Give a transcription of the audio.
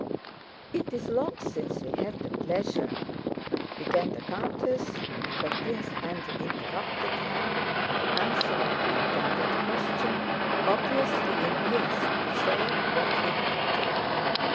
"It is long since we had the pleasure..." began the countess, but Prince Andrew interrupted her by answering her intended question, obviously in haste to say what he had to.